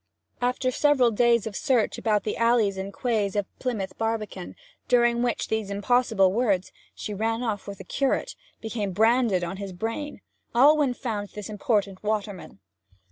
After several days of search about the alleys and quays of Plymouth Barbican, during which these impossible words, 'She ran off with the curate,' became branded on his brain, Alwyn found this important waterman.